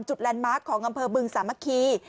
แลนดมาร์คของอำเภอบึงสามัคคี